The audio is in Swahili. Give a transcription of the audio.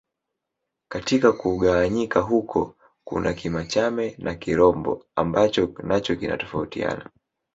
Katika kugawanyika huko kuna Kimachame na Kirombo ambacho nacho kinatofautiana